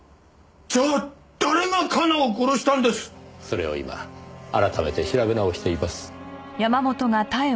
それを今改めて調べ直しています。